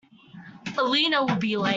Elena will be late.